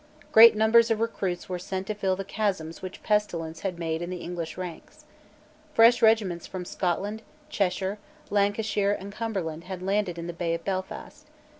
Great numbers of recruits were sent to fill the chasms which pestilence had made in the English ranks. Fresh regiments from Scotland, Cheshire, Lancashire, and Cumberland had landed in the Bay of Belfast.